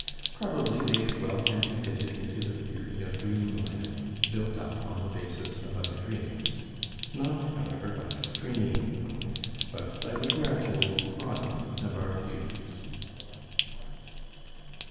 Probably they as well can be fitted into the theory of dream life, built up on the basis of other dreams, not however by straining the point, but by the gradual broadening of our views.